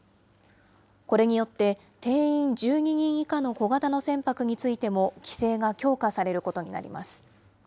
これによって、定員１２人以下の小型の船舶についても、規制が強化されることになります。